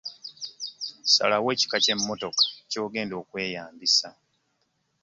Salawo ekika ky'emmotoka ky'ogenda okweyambisa.